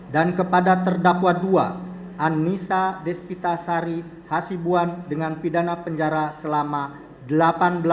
dan kepada terdakwa dua anissa despita sari hasibuan dengan pidana penjara selama dua puluh tahun